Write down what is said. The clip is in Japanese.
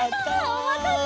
おまたせ！